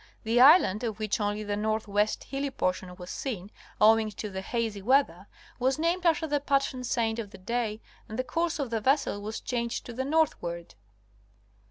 The island (of which only the northwest hilly portion was seen, owing to the hazy weather) was named after the patron saint of the day and the course of the vessel was changed to the northward.